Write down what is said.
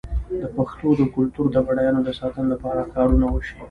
د پښتو د کلتور د بډاینو د ساتنې لپاره کارونه وشي.